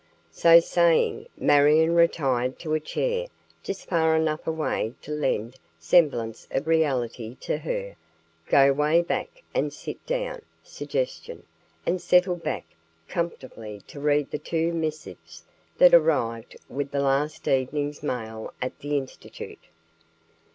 So saying, Marion retired to a chair just far enough away to lend semblance of reality to her "go way back and sit down" suggestion, and settled back comfortably to read the two missives that arrived with the last evening's mail at the Institute.